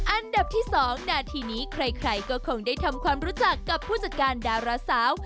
อันดับที่๒นาทีนี้ใครก็คงได้ทำความรู้จักกับผู้จัดการดาราสาว